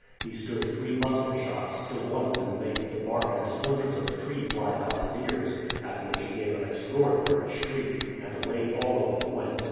He stood three musket shots, till one of them made the bark and splinters of the tree fly about his ears, at which he gave an extraordinary shriek, and away all of them went.